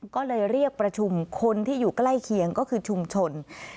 ก็เลยเรียกประชุมคนที่อยู่ใกล้เคียงก็คือชุมชน